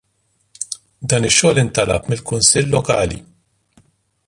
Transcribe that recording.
Dan ix-xogħol intalab mill-kunsill lokali.